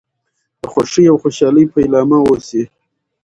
د خوښۍ او خوشحالی پيلامه اوسي .